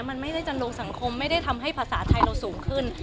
มันไม่ได้จะลงสังคมไม่ได้ทำให้ภาษาไทยเราสูงขึ้น